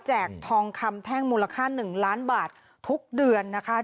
ทองคำแท่งมูลค่า๑ล้านบาททุกเดือนนะคะ